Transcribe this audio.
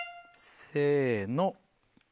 せの。